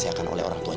saya akan cek kesalahan